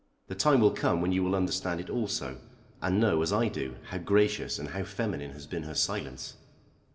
The time will come when you will understand it also, and know, as I do, how gracious and how feminine has been her silence."